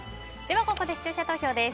ここで視聴者投票です。